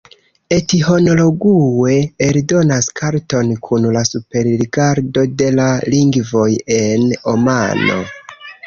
Ethnologue eldonas karton kun la superrigardo de la lingvoj en Omano.